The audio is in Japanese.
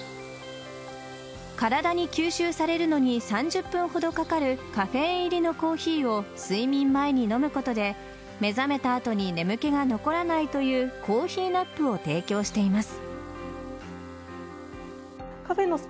体に吸収されるのに３０分ほどかかるカフェイン入りのコーヒーを睡眠前に飲むことで目覚めた後に眠気が残らないというコーヒーナップを提供しています。